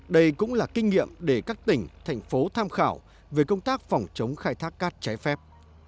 đây cũng là kinh nghiệm để các tỉnh thành phố tham khảo về công tác phòng chống khai thác cát trái phép